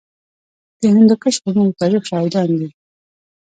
د هندوکش غرونه د تاریخ شاهدان دي